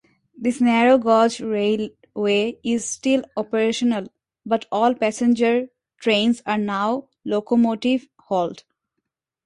This narrow gauge railway is still operational but all passenger trains are now locomotive-hauled.